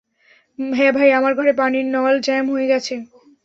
হ্যাঁ ভাই, আমার ঘরে পানির নল জ্যাম হয়ে গেছে।